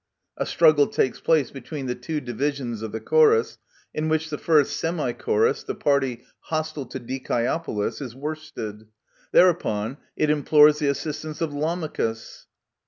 [A struggle takes place between the two divisions of the Chorus, in which the first Semi Chorus, the party hostile to DiCiEOPOLis, is worsted ; thereupon it implores the assistance of Lamachus.